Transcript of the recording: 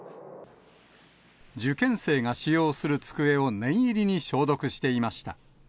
受験生が使用する机を念入りに消毒していました。